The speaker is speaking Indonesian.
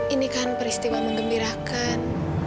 ini kan peristiwa mengembirakan